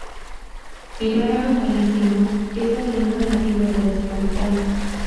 El árabe palestino es la lengua nativa de los samaritanos.